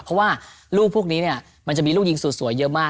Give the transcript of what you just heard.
เพราะว่าลูกพวกนี้เนี่ยมันจะมีลูกยิงสุดสวยเยอะมาก